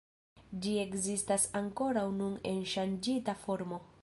Ĝi ekzistas ankoraŭ nun en ŝanĝita formo.